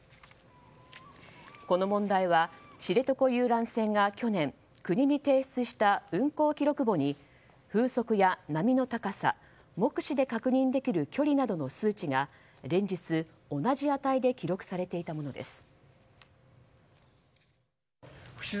この問題は、知床遊覧船が去年国に提出した運航記録簿に風速や波の高さ目視で確認できる距離などの数値が連日、同じ値で記録されていたものです。